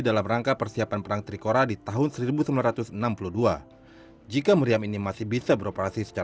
dan kenyataan di lapangan juga meriam kami masih bisa beroperasional